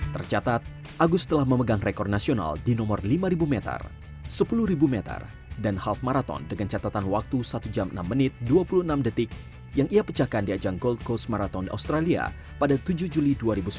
tercatat agus telah memegang rekor nasional di nomor lima meter sepuluh meter dan half marathon dengan catatan waktu satu jam enam menit dua puluh enam detik yang ia pecahkan di ajang gold coast marathon australia pada tujuh juli dua ribu sembilan belas